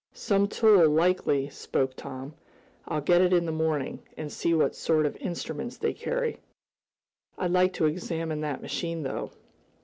"Some tool, likely," spoke Tom. "I'll get it in the morning, and see what sort of instruments they carry. I'd like to examine that machine, though."